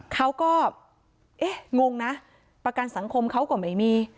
เขาก็เอ๊ะงงนะประกันสังคมเขาก็ไม่มี